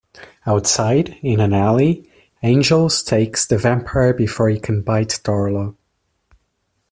Outside, in an alley, Angel stakes the vampire before he can bite Darla.